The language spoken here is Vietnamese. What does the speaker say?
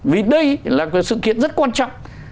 vì đây là sự kiện rất quan trọng